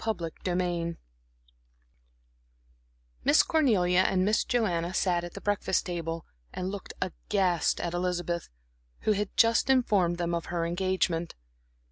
Chapter VIII Miss Cornelia and Miss Joanna sat at the breakfast table and looked aghast at Elizabeth, who had just informed them of her engagement.